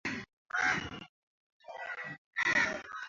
Kila mkenya atapata dola elfu tano na mia tatu kwa kila nyoka anayeuza